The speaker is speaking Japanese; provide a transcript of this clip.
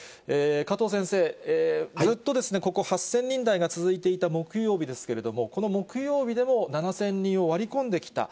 加藤先生、ずっとですね、ここ、８０００人台が続いていた木曜日ですけれども、この木曜日でも７０００人を割り込んできた。